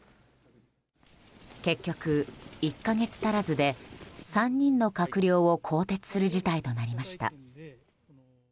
結局、１か月足らずで３人の閣僚を更迭する事態となりました。